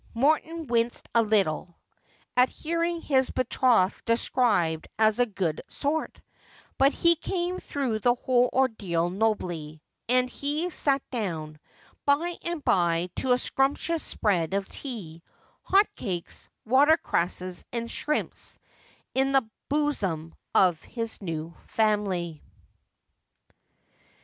Morton winced a little at hearing bis betrothed described as a good sort ; but he came through the whole ordeal nobly ; and he sat down by and by to a sumptuous spread of tea, hot cakes, watereresses, and shrimps, in the bosom of his new family.